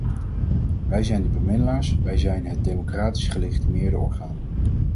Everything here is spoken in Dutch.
Wij zijn de bemiddelaars, wij zijn het democratisch gelegitimeerde orgaan.